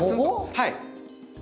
はい。